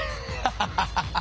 ハハハハハ！